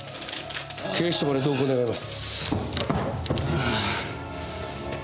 警視庁まで同行願います。